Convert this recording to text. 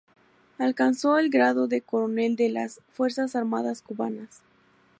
Alcanzó el grado de coronel de las fuerzas armadas cubanas.